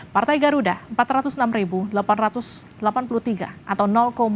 partai garuda empat ratus enam delapan ratus delapan puluh tiga atau dua puluh tujuh persen